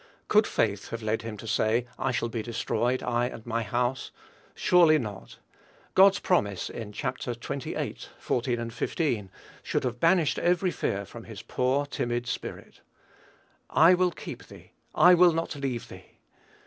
Could faith have led him to say, "I shall be destroyed, I and my house?" Surely not. God's promise in Chapter xxviii. 14, 15, should have banished every fear from his poor timid spirit. "I will keep thee.... I will not leave thee."